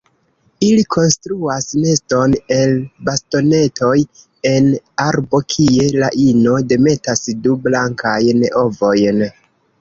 Ili konstruas neston el bastonetoj en arbo kie la ino demetas du blankajn ovojn.